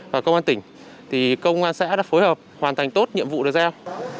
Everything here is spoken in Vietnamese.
và công an tỉnh thì công an xã đã phối hợp hoàn thành tốt nhiệm vụ được giao